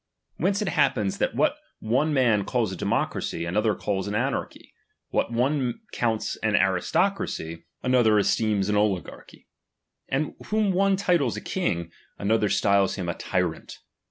Whence it happens that ^ivbat one man calls a democracy, another calls an ctnarchy ; what one counts au aristocracy, another 94 DOMINION. CHAP. VII. esteems an oligarchy ; and whom one titles a I ''' another styles him a tyrant.